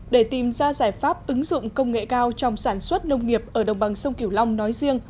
để tìm ra giải pháp ứng dụng công nghệ cao trong sản xuất nông nghiệp ở đồng bằng sông kiểu long nói riêng